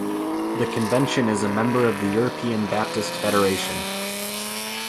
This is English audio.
The convention is a member of the European Baptist Federation.